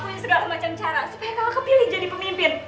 kaka lakuin segala macam cara supaya kaka kepilih jadi pemimpin